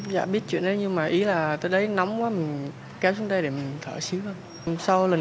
dạ biết chuyện đấy nhưng mà ý là tới đấy nóng quá mình kéo xuống đây để mình thở xíu thôi hôm sau